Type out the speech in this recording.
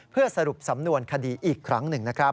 เพื่อสรุปสำนวนคดีอีกครั้งหนึ่งนะครับ